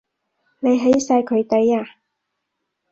你起晒佢底呀？